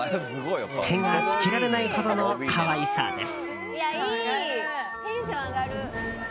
手がつけられないほどの可愛さです。